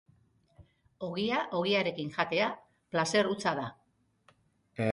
Ogia ogiarekin jatea plazer hutsa da.